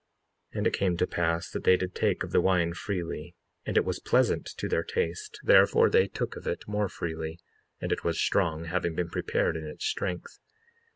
55:13 And it came to pass that they did take of the wine freely; and it was pleasant to their taste, therefore they took of it more freely; and it was strong, having been prepared in its strength.